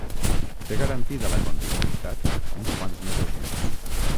Té garantida la continuïtat uns quants mesos més.